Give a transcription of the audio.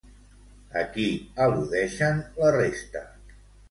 A qui al·ludeixen la resta?